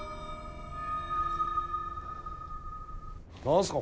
何すか？